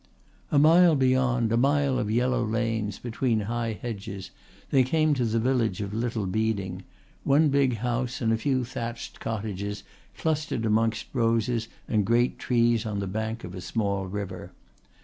A mile beyond, a mile of yellow lanes between high hedges, they came to the village of Little Beeding, one big house and a few thatched cottages clustered amongst roses and great trees on the bank of a small river.